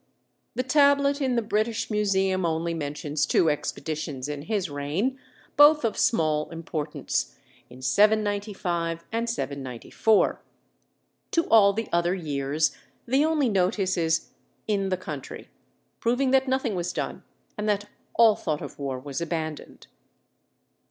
The tablet in the British Museum only mentions two expeditions in his reign, both of small importance, in 795 and 794; to all the other years the only notice is "in the country," proving that nothing was done and that all thought of war was abandoned.